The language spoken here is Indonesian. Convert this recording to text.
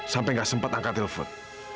sampai gak sempat angkat telepon